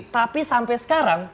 tapi sampai sekarang